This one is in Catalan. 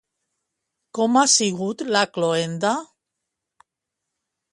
Com ha sigut la cloenda?